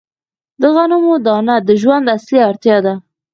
د غنمو دانه د ژوند اصلي اړتیا ده.